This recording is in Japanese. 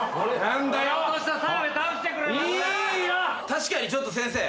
確かにちょっと先生。